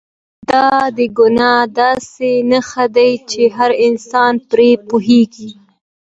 دا د ګناه داسې نښه ده چې هر انسان پرې پوهېږي.